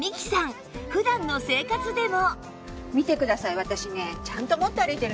普段の生活でも